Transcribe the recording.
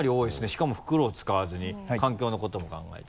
しかも袋を使わずに環境のことも考えて。